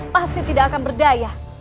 pasti tidak akan berdaya